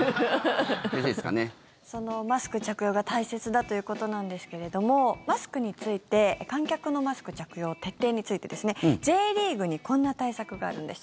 そのマスク着用が大切だということなんですけども観客のマスク着用徹底についてＪリーグにこんな対策があるんです。